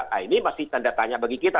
nah ini masih tanda tanya bagi kita